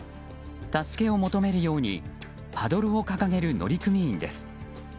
助けを求めるようにパドルを掲げる乗組員です。